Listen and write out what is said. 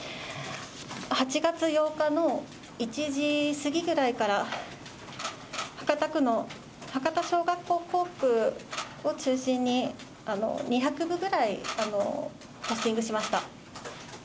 ８月８日の１時過ぎぐらいから、博多区の博多小学校校区を中心に、２００部ぐらいポスティングしました。